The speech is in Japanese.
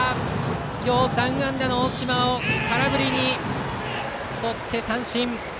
今日３安打の大島を空振りにとって三振。